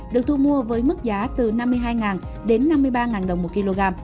được thu mua với mức giá từ năm mươi hai năm mươi ba đồng mỗi kg